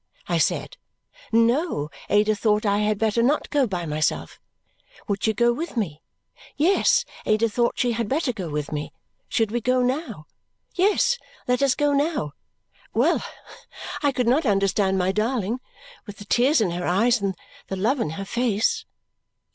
I said. No, Ada thought I had better not go by myself. Would she go with me? Yes, Ada thought she had better go with me. Should we go now? Yes, let us go now. Well, I could not understand my darling, with the tears in her eyes and the love in her face!